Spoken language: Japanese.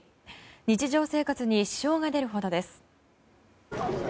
日常生活に支障が出るほどです。